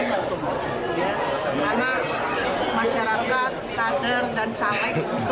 dalam melakukan plt ketua umum